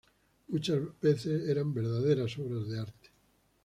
Muchas veces eran verdaderas obras de arte.